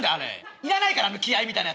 要らないからあの気合いみたいなやつ。